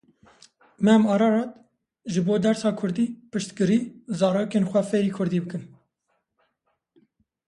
Mem Arart ji bo dersa kurdî piştgirî, zarokên xwe fêrî kurdî bikin.